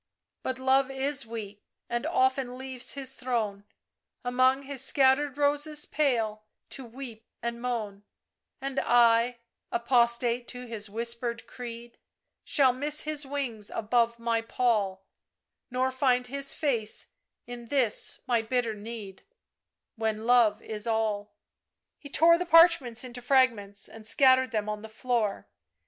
" But Love is weak, And often leaves his throne, Among his scattered roses pale To weep and moan, And I, apostate to his whispered creed, Shall miss his wings above my pall, Nor find his face in this my bitter need, When Love is all !" He tore the parchments into fragments and scattered them on the floor.